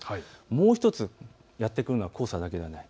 もう１つやって来るのは黄砂だけではない。